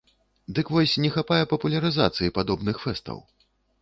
Дык вось не хапае папулярызацыі падобных фэстаў.